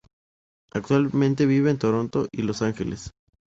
Actualmente vive en Toronto y Los Ángeles.